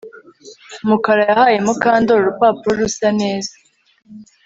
Mukara yahaye Mukandoli urupapuro rusa neza